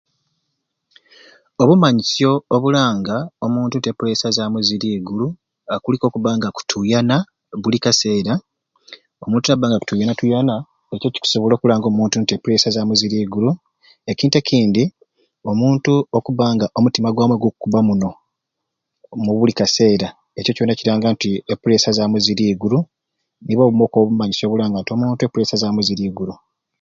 Obumanyisyo obulanga nti omuntu e pressure zamwei ziri iguru haa kuliku okuba nga akutuyana buli kaseera omuntu naba nga akutuyana tuyana ekyo kikusobola okulanga omuntu nti e pressure zamwei ziri iguru ekintu ekindi omutu kkuba nga omutima gwamwei gukukuba muno mubuli kaseera ekyo kyona kiranga e pressure zamwei ziri iguru nibo Obumwei okubumanyisyo obulanga nti omuntu e pressure zamwei ziri iguru